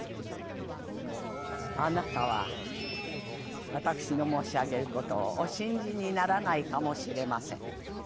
「あなたは私の申し上げることをお信じにならないかもしれません。